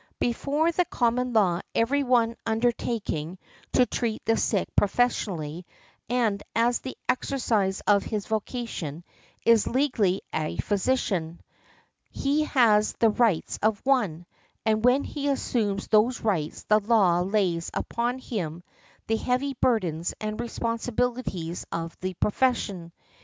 Before the common law every one undertaking to treat the sick professionally, and as the exercise of his vocation, is legally a physician. He has the rights of one, and when he assumes those rights the law lays upon him the heavy burdens and responsibilities of the profession.